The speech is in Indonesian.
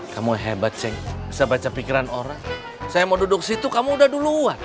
kamu hebat sayang bisa baca pikiran orang saya mau duduk situ kamu udah duluan